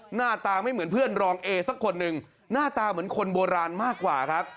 หน้าตาไม่เหมือนเพื่อนรองเอสักคนหนึ่งหน้าตาเหมือนคนโบราณมากกว่าครับ